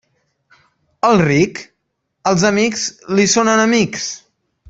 Al ric, els amics li són enemics.